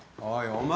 お前。